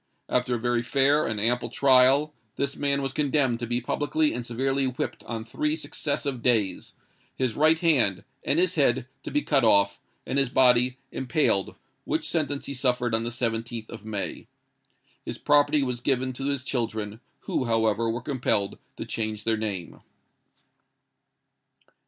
After a very fair and ample trial, this man was condemned to be publicly and severely whipped on three successive days, his right hand and his head to be cut off, and his body impaled: which sentence he suffered on the 17th of May. His property was given to his children, who, however, were compelled to change their name."